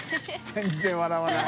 全然笑わない。